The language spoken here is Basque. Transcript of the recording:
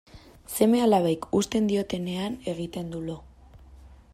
Seme-alabek uzten diotenean egiten du lo.